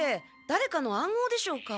だれかの暗号でしょうか。